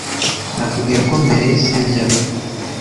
Nakubwiye ko mbere sibyo